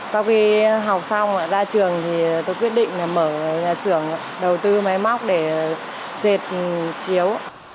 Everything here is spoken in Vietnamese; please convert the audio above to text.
sau khi học xong ra trường tôi quyết định mở nhà xưởng đầu tư máy móc để dệt chiếu